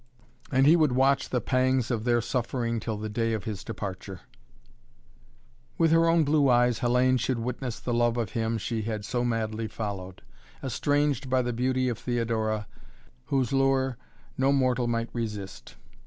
And he would watch the pangs of their suffering till the day of his departure. With her own blue eyes Hellayne should witness the love of him she had so madly followed, estranged by the beauty of Theodora, whose lure no mortal might resist.